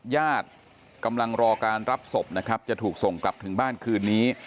ญาติกำลังรอการรับศพนะครับจะถูกส่งกลับถึงบ้านคืนนี้